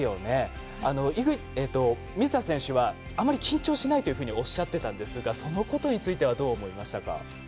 水田選手はあまり緊張しないというふうにおっしゃってたんですがそのことについてはどう思いましたか？